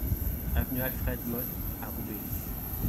Avenue Alfred Motte à Roubaix